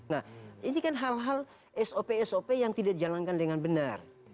nah ini kan hal hal sop sop yang tidak dijalankan dengan benar